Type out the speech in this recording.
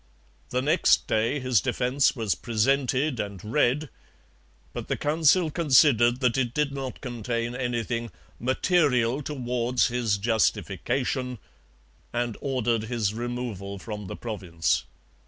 The next day his defence was presented and read; but the Council considered that it did not contain anything 'material towards his justification' and ordered his removal from the province.